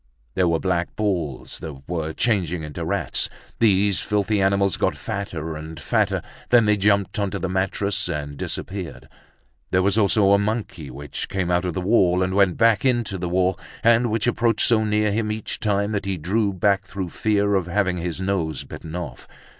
There were black balls that were changing into rats. These filthy animals got fatter and fatter, then they jumped onto the mattress and disappeared. There was also a monkey which came out of the wall, and went back into the wall, and which approached so near him each time, that he drew back through fear of having his nose bitten off.